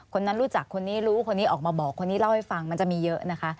คนนั้นรู้จักคนนี้รู้คนนี้ออกมาบอกคนนี้เล่าให้ฟังมันจะมีเยอะนะคะ